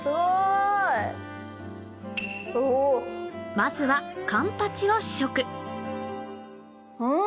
まずはカンパチを試食うん！